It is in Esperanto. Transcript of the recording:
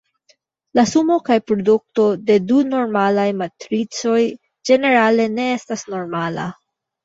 La sumo kaj produto de du normalaj matricoj ĝenerale ne estas normala.